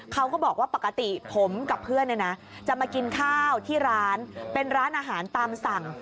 เขาก็บอกว่าปกติผมกับเพื่อนจะมากินข้าวที่ร้านเป็นร้านอาหารตามสั่ง